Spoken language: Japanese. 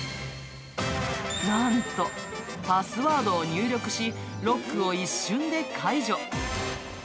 なんと、パスワードを入力し、ロックを一瞬で解除。